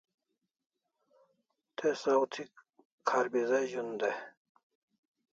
Te saw thi kharbiza zh'un day